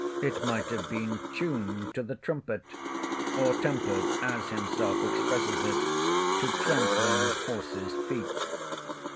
It might have been tuned to the trumpet; or tempered (as himself expresses it) to "trampling horses' feet."